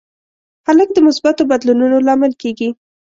هلک د مثبتو بدلونونو لامل کېږي.